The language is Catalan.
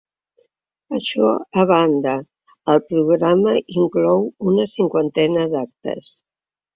Això a banda, el programa inclou una cinquantena d’actes.